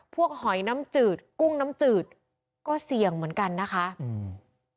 หอยน้ำจืดกุ้งน้ำจืดก็เสี่ยงเหมือนกันนะคะอืม